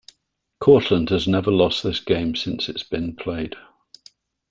Cortland has never lost this game since its been played.